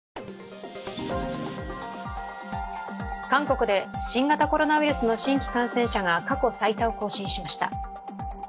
韓国で新型コロナウイルスの新規感染者が過去最多を更新しました。